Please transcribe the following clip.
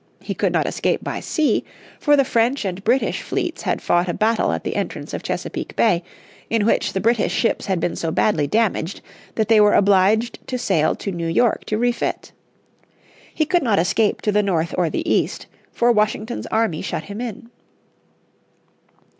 He could not escape by sea, for the French and British fleets had fought a battle at the entrance of Chesapeake Bay, in which the British ships had been so badly damaged that they were obliged to sail to New York to refit. He could not escape to the north or the east, for Washington's army shut him in.